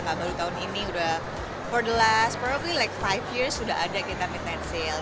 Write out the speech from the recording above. gak baru tahun ini udah for the last probably like lima years sudah ada kita midnight sale